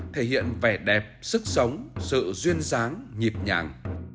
thể hiện vẻ đẹp sức sống sự duyên dáng nhịp nhàng